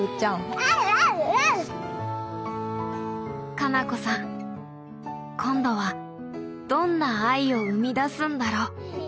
花菜子さん今度はどんな藍を生み出すんだろう。